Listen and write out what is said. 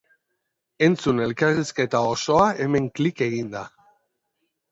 Entzun elkarrizketa osoa hemen klik eginda.